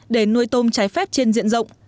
để nuôi tôm trái phép trên diện rộng